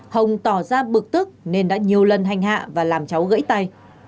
hồng tỏ ra bực tức nên đã nhiều lần hành hạ và làm cháu gãy tay